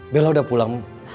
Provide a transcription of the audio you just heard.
bella udah pulang bu